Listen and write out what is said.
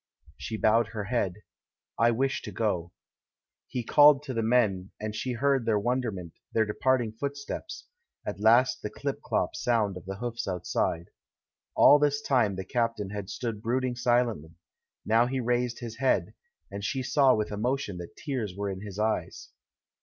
She bowed her head — "I wish to go." He called to the men, and she heard their won derment, their departing footsteps — at last the clip clop sound of hoofs outside. All this time 178 THE MAN WHO UNDERSTOOD WOMEN the captain had stood brooding silently; now he raised his head, and she saw with emotion that tears were in his eyes.